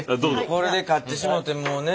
これで勝ってしもうてもうね